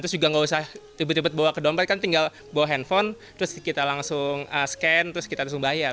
terus juga nggak usah tiba tiba bawa ke dompet kan tinggal bawa handphone terus kita langsung scan terus kita langsung bayar